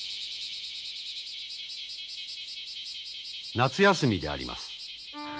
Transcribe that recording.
夏休みであります。